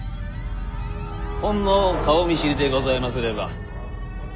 ほんの顔見知りでございますれば。